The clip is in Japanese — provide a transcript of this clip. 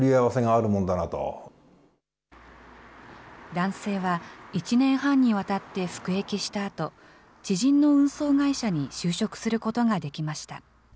男性は、１年半にわたって服役したあと、知人の運送会社に就職することができました。